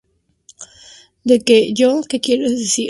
¿ Dejar qué? Yo... ¿ qué quieres decir?